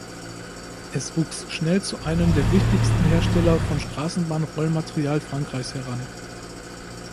Es wuchs schnell zu einem der wichtigsten Hersteller von Straßenbahnrollmaterial Frankreichs heran.